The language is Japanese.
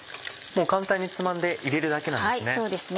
簡単につまんで入れるだけなんですね。